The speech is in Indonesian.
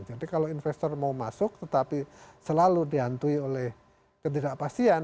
jadi kalau investor mau masuk tetapi selalu dihantui oleh ketidakpastian